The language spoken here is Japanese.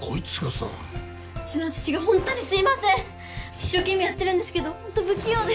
一生懸命やってるんですけどホント不器用で。